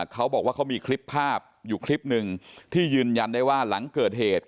เขาบอกว่าเขามีคลิปภาพอยู่คลิปหนึ่งที่ยืนยันได้ว่าหลังเกิดเหตุ